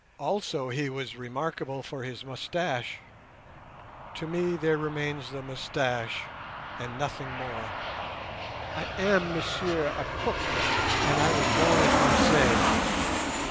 Also he was remarkable for his moustache. To me there remains the moustache and—nothing more. "I am, messieurs, a cook, and I was born at Marseilles.